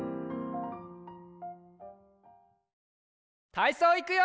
たいそういくよ！